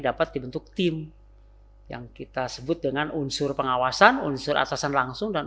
dapat dibentuk tim yang kita sebut dengan unsur pengawasan unsur atasan langsung dan